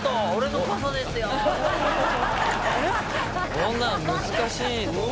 こんなん難しいと思う。